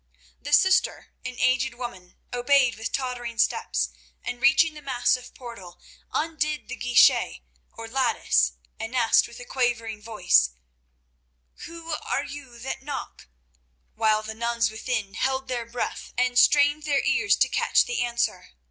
The sister, an aged woman, obeyed with tottering steps, and, reaching the massive portal, undid the guichet, or lattice, and asked with a quavering voice: "Who are you that knock?" while the nuns within held their breath and strained their ears to catch the answer.